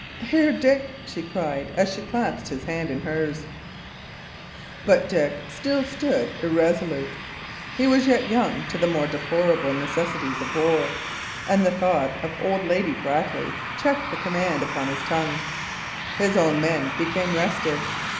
"Here, Dick!" she cried, as she clasped his hand in hers. But Dick still stood irresolute; he was yet young to the more deplorable necessities of war, and the thought of old Lady Brackley checked the command upon his tongue. His own men became restive.